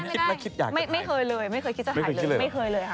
ไม่เคยเลยไม่เคยคิดจะถ่ายเลยไม่เคยเลยค่ะ